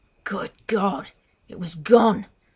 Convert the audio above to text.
Good God! It was gone!